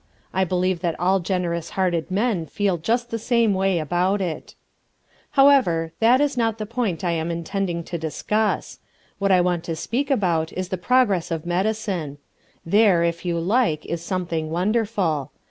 I believe that all generous hearted men feel just the same way about it. However, that is not the point I am intending to discuss. What I want to speak about is the progress of medicine. There, if you like, is something wonderful.